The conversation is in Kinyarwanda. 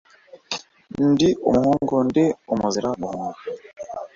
Ndi umuhungu ndi umuzira guhunga.